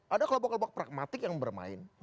ada kelompok kelompok pragmatik yang bermain